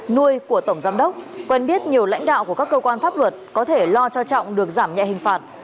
nuôi của tổng giám đốc quen biết nhiều lãnh đạo của các cơ quan pháp luật có thể lo cho trọng được giảm nhẹ hình phạt